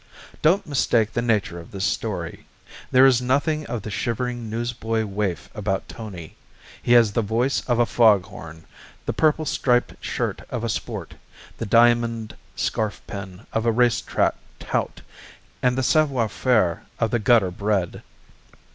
Don't mistake the nature of this story. There is nothing of the shivering newsboy waif about Tony. He has the voice of a fog horn, the purple striped shirt of a sport, the diamond scarf pin of a racetrack tout, and the savoir faire of the gutter bred.